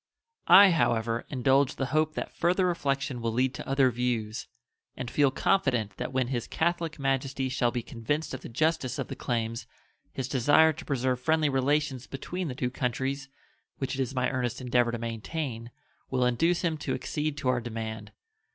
I, however, indulge the hope that further reflection will lead to other views, and feel confident that when His Catholic Majesty shall be convinced of the justice of the claims his desire to preserve friendly relations between the two countries, which it is my earnest endeavor to maintain, will induce him to accede to our demand.